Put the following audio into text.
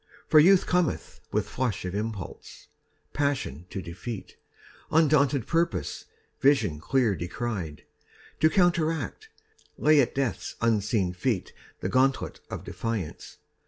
For Youth cometh With flush of impulse, passion to defeat, Undaunted purpose, vision clear descried, To counteract, lay at Death's unseen feet The gauntlet of defiance.